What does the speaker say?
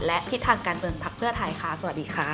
และทิศทางการเติมพักเพื่อไทยค่ะสวัสดีค่ะ